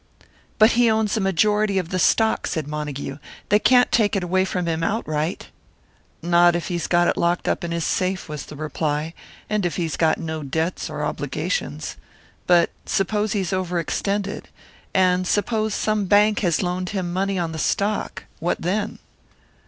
"But he owns a majority of the stock!" said Montague. "They can't take it away from him outright." "Not if he's got it locked up in his safe," was the reply; "and if he's got no debts or obligations. But suppose he's overextended; and suppose some bank has loaned him money on the stock what then?"